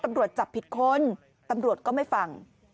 ตำรวจจับผิดคนตำรวจก็ไม่ฟัง